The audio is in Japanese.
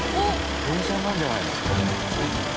電車になるんじゃないの？